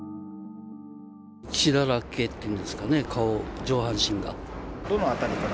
血だらけっていうんですかね、顔、どの辺りから？